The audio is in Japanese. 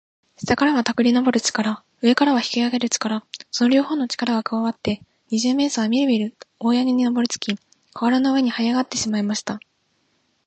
下からはたぐりのぼる力、上からは引きあげる力、その両ほうの力がくわわって、二十面相はみるみる大屋根にのぼりつき、かわらの上にはいあがってしまいました。